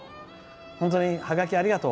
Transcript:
本当にはがき、ありがとう。